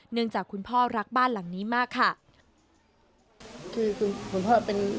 เนื่องจากคุณพ่อรักบ้านหลังนี้มากค่ะ